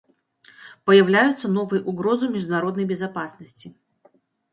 Появляются новые угрозы международной безопасности.